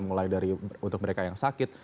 mulai dari untuk mereka yang sakit